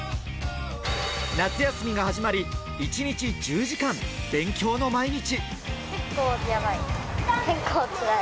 夏休みが始まり、一日１０時間、勉強の毎日。